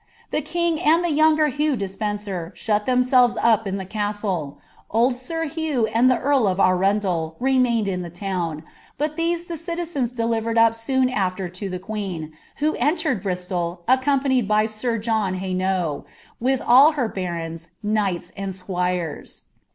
The king and the younger Hugh Dnpeacartta themselves up in the castle; old Sir Hugh and the carl oT Annidil remained in the town, but these the citizens delivered up soon tHttV the queeu, who entered Briniol, accompanied by Sii John Hainaull, «iib all her barons, knights, and squires.